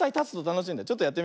ちょっとやってみるよ。